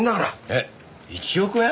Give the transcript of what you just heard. えっ１億円！？